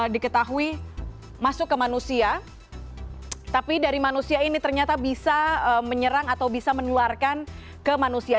diketahui masuk ke manusia tapi dari manusia ini ternyata bisa menyerang atau bisa menularkan ke manusia